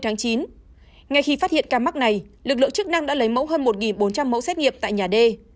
ngay khi phát hiện ca mắc này lực lượng chức năng đã lấy mẫu hơn một bốn trăm linh mẫu